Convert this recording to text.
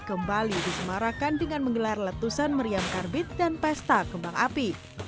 kembali disemarakan dengan menggelar letusan meriam karbit dan pesta kembang api